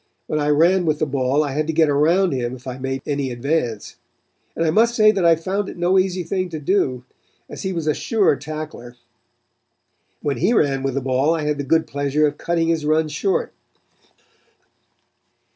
When I ran with the ball I had to get around him if I made any advance, and I must say that I found it no easy thing to do, as he was a sure tackler. And when he ran with the ball I had the good pleasure of cutting his runs short.